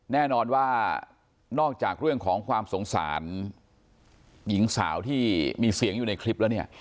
แน่นอนว่านอกจากเรื่องของความสงสารหญิงสาวที่มีเสียงอยู่ในคลิปแล้วเนี่ย